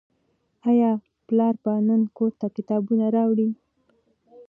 آیا پلار به نن کور ته کتابونه راوړي؟